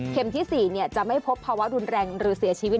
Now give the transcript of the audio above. ที่๔จะไม่พบภาวะรุนแรงหรือเสียชีวิต